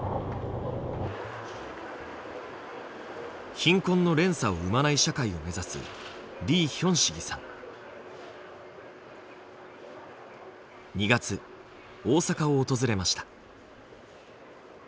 「貧困の連鎖」を生まない社会を目指す２月大阪を訪れました。